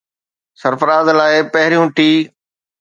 سرفراز لاءِ پهريون ٽي